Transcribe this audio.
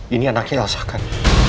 ini anaknya lasakan